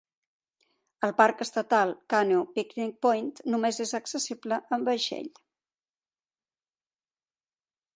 El parc estatal Canoe-Picnic Point només és accessible amb vaixell.